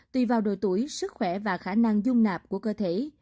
tùy vào độ tuổi sức khỏe và khả năng dung nạp của cơ thể